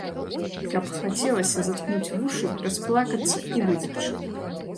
І каб хацелася заткнуць вушы, расплакацца і выбегчы!